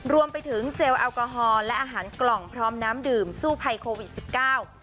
รวมไปถึงเจลแอลกอฮอลและอาหารกล่องพร้อมน้ำดื่มสู้ภัยโควิดสิบเก้า